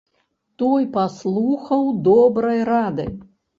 Той паслухаў добрай рады.